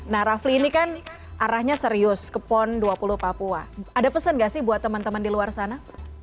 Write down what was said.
nah rafli ini kan arahnya serius ke pon dua puluh papua ada pesan gak sih buat teman teman di luar sana